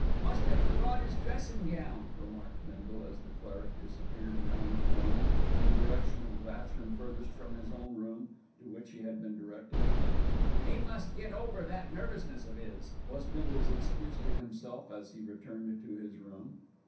"Must 'ave forgot 'is dressin' gown," remarked Bindle, as the cleric disappeared round a corner in the direction of the bath room furthest from his own room, to which he had been directed. "'E must get over that nervousness of 'is," was Bindle's excuse to himself, as he returned to his room.